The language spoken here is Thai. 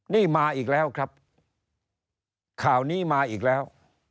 นี่มาอีกแล้วครับข่าวนี้มาอีกแล้ว